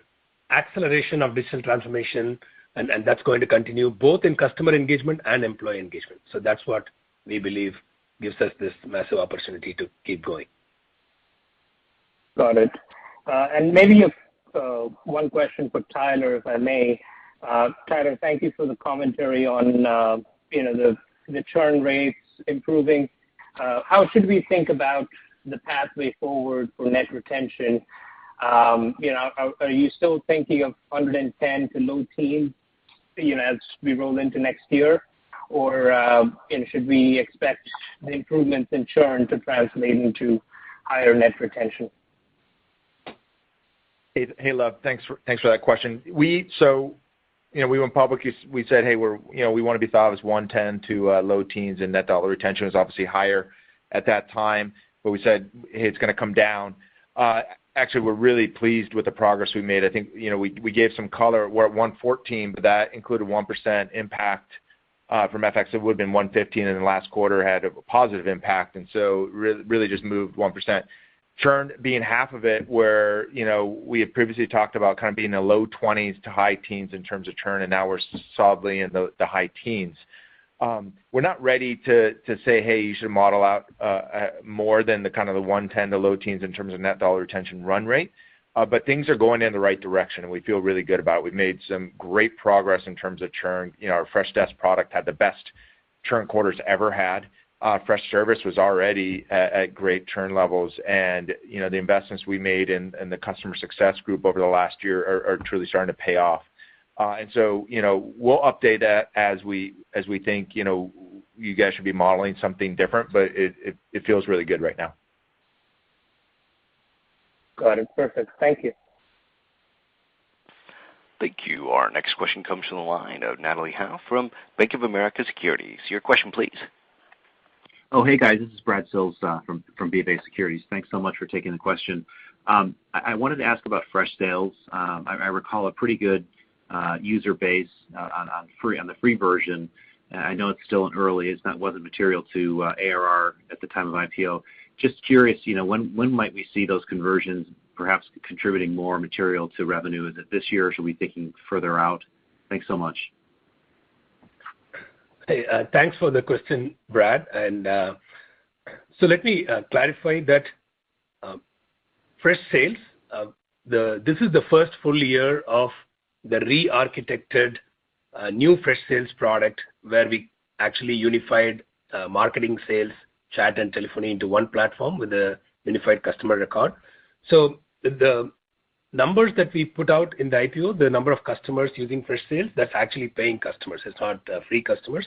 acceleration of digital transformation, and that's going to continue both in customer engagement and employee engagement. That's what we believe gives us this massive opportunity to keep going. Got it. Maybe one question for Tyler, if I may. Tyler, thank you for the commentary on, you know, the churn rates improving. How should we think about the pathway forward for net retention? You know, are you still thinking of 110%-low teens%, you know, as we roll into next year? Or, should we expect the improvements in churn to translate into higher net retention? Hey, Luv, thanks for that question. So, you know, we went public, we said, "Hey, we're, you know, we want to be thought of as 110 to low teens," and net dollar retention was obviously higher at that time. We said, "Hey, it's going to come down." Actually, we're really pleased with the progress we made. I think, you know, we gave some color. We're at 114, but that included 1% impact from FX. It would have been 115, and the last quarter had a positive impact. Really just moved 1%. Churn being half of it, where, you know, we had previously talked about kind of being the low 20s to high teens in terms of churn, and now we're solidly in the high teens. We're not ready to say, "Hey, you should model out more than the kind of 110 to low teens in terms of net dollar retention run rate." Things are going in the right direction, and we feel really good about it. We've made some great progress in terms of churn. You know, our Freshdesk product had the best churn quarters it ever had. Freshservice was already at great churn levels. You know, the investments we made in the customer success group over the last year are truly starting to pay off. You know, we'll update that as we think you guys should be modeling something different, but it feels really good right now. Got it. Perfect. Thank you. Thank you. Our next question comes from the line of Natalie Howe from Bank of America Securities. Your question, please. Oh, hey guys, this is Brad Sills from B of A Securities. Thanks so much for taking the question. I wanted to ask about Freshsales. I recall a pretty good user base on the free version. I know it's still early. Wasn't material to ARR at the time of IPO. Just curious, you know, when might we see those conversions perhaps contributing more material to revenue? Is it this year? Should we be thinking further out? Thanks so much. Hey, thanks for the question, Brad. Let me clarify that. Freshsales, this is the first full-year of the re-architected, new Freshsales product where we actually unified marketing, sales, chat, and telephony into one platform with a unified customer record. The numbers that we put out in the IPO, the number of customers using Freshsales, that's actually paying customers. It's not free customers.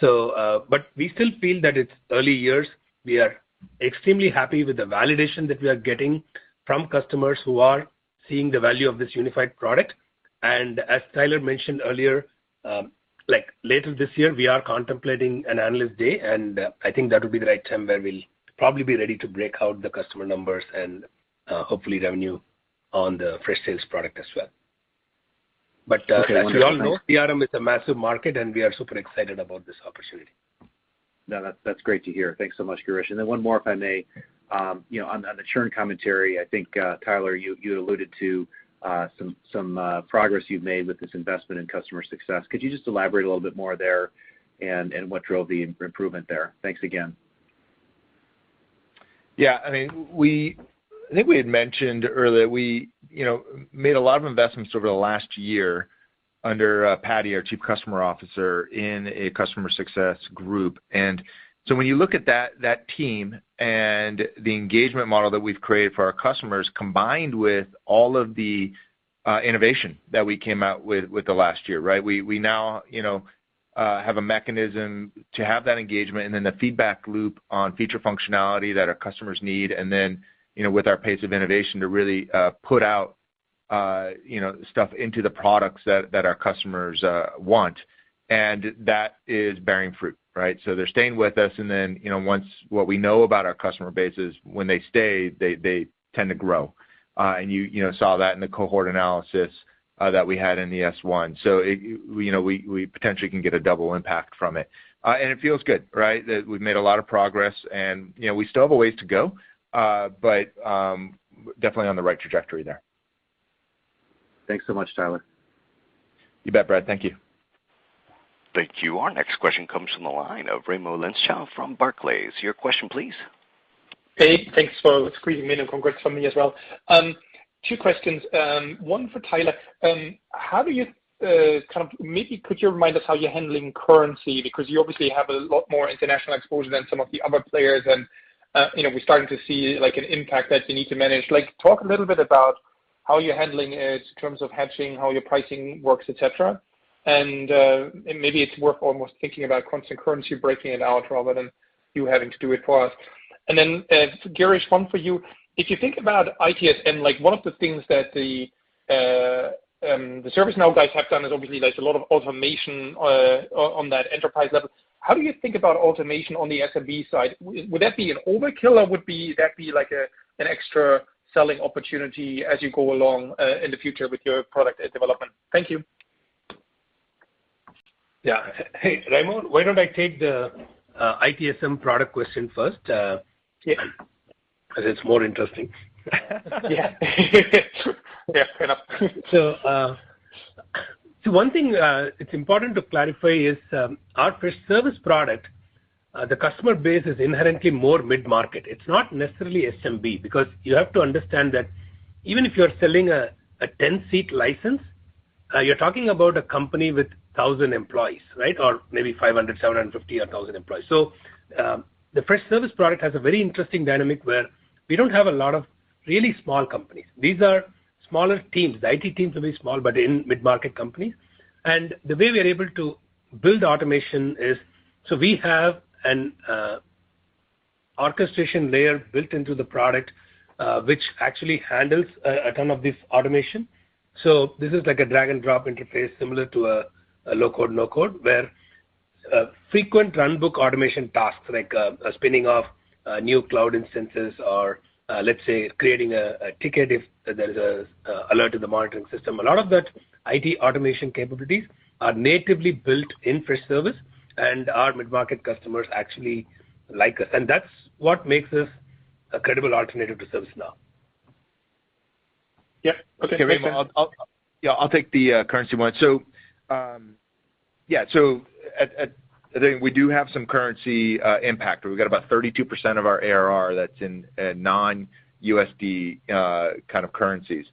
But we still feel that it's early years. We are extremely happy with the validation that we are getting from customers who are seeing the value of this unified product. As Tyler mentioned earlier, like, later this year, we are contemplating an analyst day, and I think that would be the right time where we'll probably be ready to break out the customer numbers and hopefully revenue on the Freshsales product as well. Okay. As we all know, CRM is a massive market, and we are super excited about this opportunity. No, that's great to hear. Thanks so much, Girish. One more, if I may. You know, on the churn commentary, I think, Tyler, you alluded to some progress you've made with this investment in customer success. Could you just elaborate a little bit more there and what drove the improvement there? Thanks again. Yeah, I mean, I think we had mentioned earlier. We, you know, made a lot of investments over the last year under Pradeep, our Chief Customer Officer, in a customer success group. When you look at that team and the engagement model that we've created for our customers, combined with all of the innovation that we came out with within the last year, right? We now, you know, have a mechanism to have that engagement and then the feedback loop on feature functionality that our customers need, and then, you know, with our pace of innovation to really put out, you know, stuff into the products that our customers want. That is bearing fruit, right? They're staying with us, and then, you know, once What we know about our customer base is when they stay, they tend to grow. You know, you saw that in the cohort analysis that we had in the S-1. You know, we potentially can get a double impact from it. It feels good, right? That we've made a lot of progress and, you know, we still have a ways to go, but definitely on the right trajectory there. Thanks so much, Tyler. You bet, Brad. Thank you. Thank you. Our next question comes from the line of Raimo Lenschow from Barclays. Your question please. Hey, thanks for squeezing me in, and congrats from me as well. Two questions, one for Tyler. How do you kind of maybe could you remind us how you're handling currency? Because you obviously have a lot more international exposure than some of the other players, and you know, we're starting to see, like, an impact that you need to manage. Like, talk a little bit about how you're handling it in terms of hedging, how your pricing works, et cetera. Maybe it's worth almost thinking about constant currency, breaking it out rather than you having to do it for us. Girish, one for you. If you think about ITS and, like, one of the things that the ServiceNow guys have done is obviously there's a lot of automation on that enterprise level. How do you think about automation on the SMB side? Would that be an overkill or would that be like an extra selling opportunity as you go along, in the future with your product development? Thank you. Hey, Raimo, why don't I take the ITSM product question first? Yeah 'Cause it's more interesting. Yeah. Yeah. Fair enough. One thing it's important to clarify is our Freshservice product, the customer base is inherently more mid-market. It's not necessarily SMB, because you have to understand that even if you're selling a 10-seat license, you're talking about a company with 1,000 employees, right? Or maybe 500, 750, 1,000 employees. The Freshservice product has a very interesting dynamic where we don't have a lot of really small companies. These are smaller teams. The IT teams are very small, but in mid-market companies. The way we are able to build automation is we have an orchestration layer built into the product, which actually handles a ton of this automation. This is like a drag and drop interface similar to a low-code no-code, where frequent runbook automation tasks like spinning off new cloud instances or, let's say, creating a ticket if there's a alert in the monitoring system. A lot of that IT automation capabilities are natively built in Freshservice, and our mid-market customers actually like us, and that's what makes us a credible alternative to ServiceNow. Yeah. Okay. Okay, Raimo, I'll take the currency one. I think we do have some currency impact. We've got about 32% of our ARR that's in non-USD kind of currencies.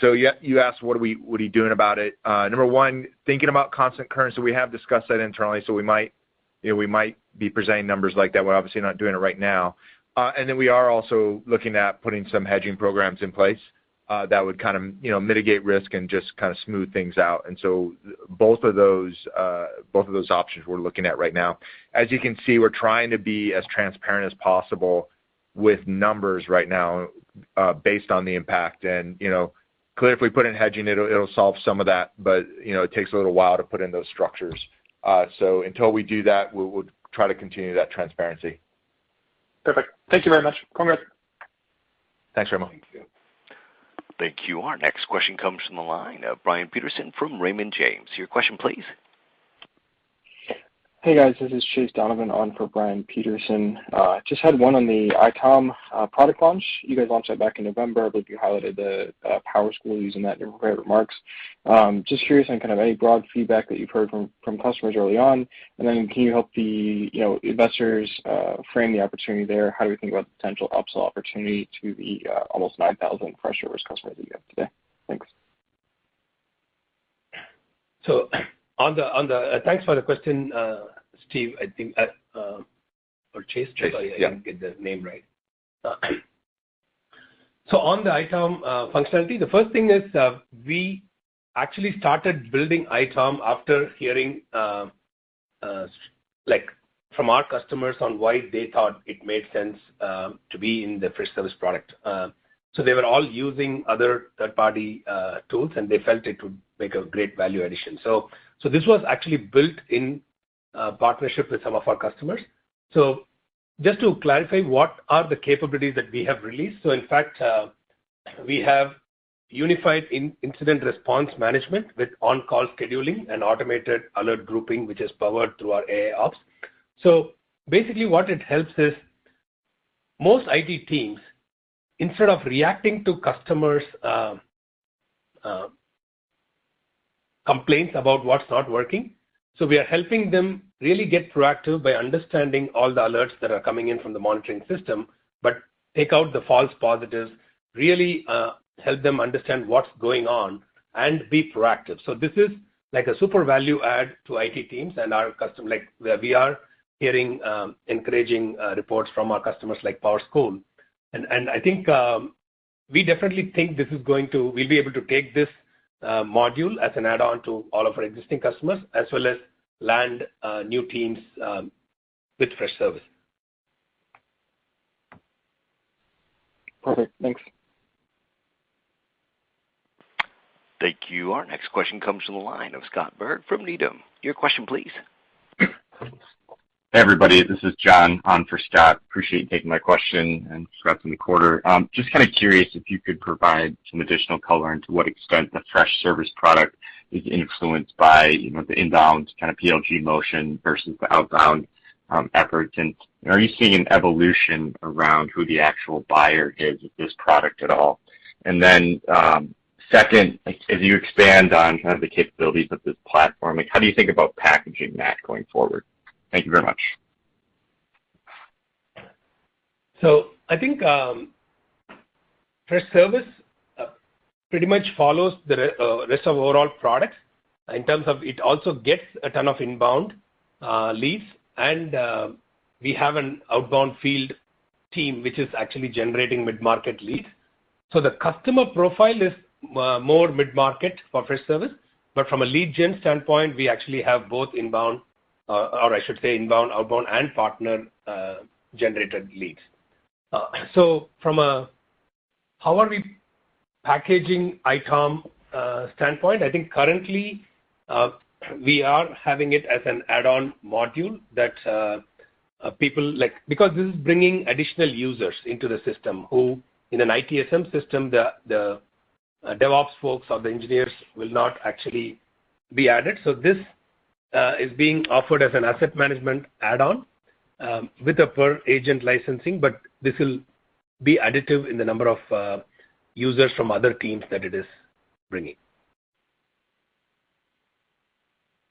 You asked, what are you doing about it? Number one, thinking about constant currency, we have discussed that internally, so we might, you know, be presenting numbers like that. We're obviously not doing it right now. We are also looking at putting some hedging programs in place that would kind of, you know, mitigate risk and just kind of smooth things out. Both of those options we're looking at right now. As you can see, we're trying to be as transparent as possible with numbers right now, based on the impact and, you know, clearly if we put in hedging, it'll solve some of that. You know, it takes a little while to put in those structures. Until we do that, we will try to continue that transparency. Perfect. Thank you very much. Congrats. Thanks, Raimo. Thank you. Our next question comes from the line of Brian Peterson from Raymond James. Your question please. Hey, guys. This is Chase Donovan on for Brian Peterson. Just had one on the ITOM product launch. You guys launched that back in November, but you highlighted the PowerSchool using that in your prepared remarks. Just curious on kind of any broad feedback that you've heard from customers early on, and then can you help the, you know, investors frame the opportunity there? How do we think about the potential upsell opportunity to the almost 9,000 Freshservice customers that you have today? Thanks. Thanks for the question, Steve, I think, or Chase. Chase, yeah. Sorry I didn't get the name right. On the ITOM functionality, the first thing is, we actually started building ITOM after hearing, like from our customers on why they thought it made sense, to be in the Freshservice product. They were all using other third-party tools, and they felt it would make a great value addition. This was actually built in partnership with some of our customers. Just to clarify, what are the capabilities that we have released? In fact, we have unified in-incident response management with on-call scheduling and automated alert grouping, which is powered through our AIOps. Basically what it helps is most IT teams, instead of reacting to customers' complaints about what's not working, so we are helping them really get proactive by understanding all the alerts that are coming in from the monitoring system, but take out the false positives, really, help them understand what's going on and be proactive. This is like a super value add to IT teams and our customers. Like where we are hearing encouraging reports from our customers like PowerSchool. I think we definitely think this is going to. We'll be able to take this module as an add-on to all of our existing customers as well as land new teams with Freshservice. Perfect. Thanks. Thank you. Our next question comes from the line of Scott Berg from Needham. Your question please. Hey, everybody, this is John on for Scott. Appreciate you taking my question and congrats on the quarter. Just kinda curious if you could provide some additional color into what extent the Freshservice product is influenced by, you know, the inbound kind of PLG motion versus the outbound efforts. Are you seeing an evolution around who the actual buyer is of this product at all? Second, as you expand on kind of the capabilities of this platform, like how do you think about packaging that going forward? Thank you very much. I think Freshservice pretty much follows the rest of overall product in terms of it also gets a ton of inbound leads. We have an outbound field team which is actually generating mid-market leads. The customer profile is more mid-market for Freshservice, but from a lead gen standpoint, we actually have both inbound, or I should say inbound, outbound, and partner generated leads. From a how are we packaging ITOM standpoint, I think currently we are having it as an add-on module that people like because this is bringing additional users into the system who in an ITSM system, the DevOps folks or the engineers will not actually be added. This is being offered as an asset management add-on, with a per agent licensing, but this will be additive in the number of users from other teams that it is bringing.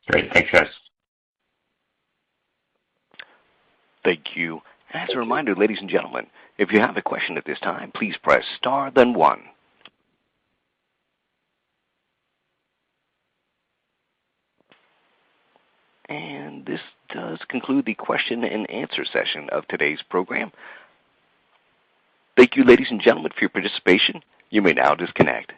Great. Thanks, guys. Thank you. As a reminder, ladies and gentlemen, if you have a question at this time, please press star then one. This does conclude the question and answer session of today's program. Thank you, ladies and gentlemen, for your participation. You may now disconnect.